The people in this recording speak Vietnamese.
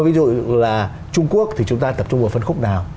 ví dụ là trung quốc thì chúng ta tập trung vào phân khúc nào